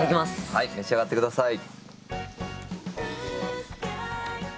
はい召し上がって下さい。